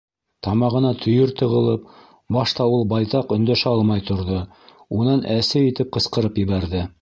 Тамағына төйөр тығылып, башта ул байтаҡ өндәшә алмай торҙо, унан әсе итеп ҡысҡырып ебәрҙе: